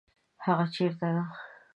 هغه چیرته ده؟